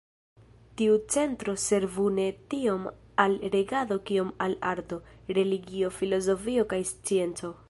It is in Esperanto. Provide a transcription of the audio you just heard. Tiu centro servu ne tiom al regado kiom al arto, religio, filozofio kaj scienco.